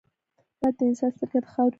باد د انسان سترګې د خاورو ډکوي